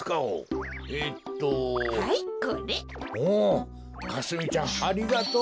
おおかすみちゃんありがとう。